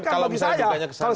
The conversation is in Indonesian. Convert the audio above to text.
kalau misalnya jadinya kesalahan